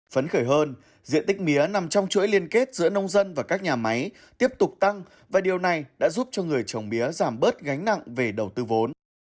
phấn khởi hơn diện tích mía nằm trong chuỗi liên kết giữa nông dân và các nhà máy tiếp tục tăng và điều này đã giúp cho người trồng mía giảm bớt gánh nặng về đầu tư vốn